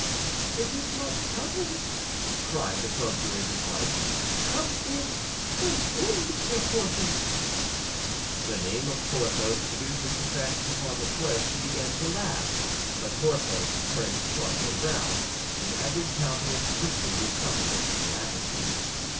"It is my cousin!" cried the procurator's wife. "Come in, come in, Monsieur Porthos!" The name of Porthos produced its effect upon the clerks, who began to laugh; but Porthos turned sharply round, and every countenance quickly recovered its gravity.